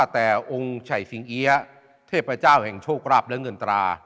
เทพเจ้าแห่งโชคราบและเงินตรา